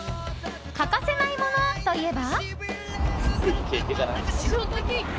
欠かせないものといえば。